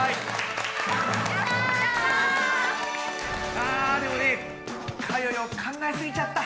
あでもねかよよ考えすぎちゃった。